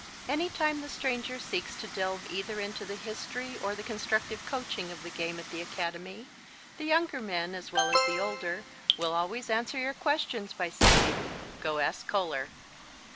Any time the stranger seeks to delve either into the history or the constructive coaching of the game at the Academy, the younger men, as well as the older, will always answer your questions by saying "Go ask Koehler."